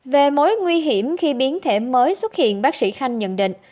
về mối nguy hiểm khi biến thể mới xuất hiện bác sĩ khanh nhận định